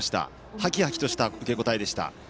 はきはきとした受け答えでした。